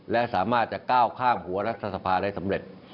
และสามารถจะก้าวข้ามหัวรัฐสภาได้สำเร็จ